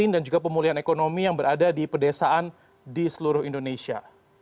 dan juga pemulihan ekonomi yang berada di pedesaan di seluruh indonesia